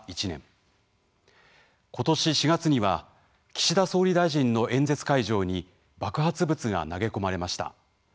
今年４月には岸田総理大臣の演説会場に爆発物が投げ込まれました。